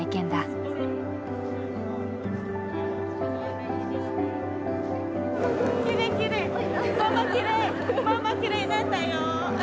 ママきれいになったよ！